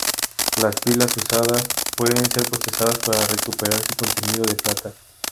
Las pilas usadas pueden ser procesadas para recuperar su contenido de plata.